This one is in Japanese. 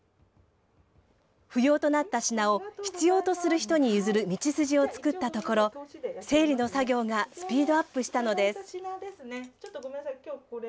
不用となった品を必要とする人に譲る道筋を作ったところ、整理の作業がスピードアップしたのです。